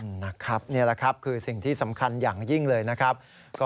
นี่แหละครับคือสิ่งที่สำคัญอย่างยิ่งเลยนะครับ